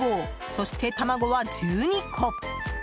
そして、卵は１２個！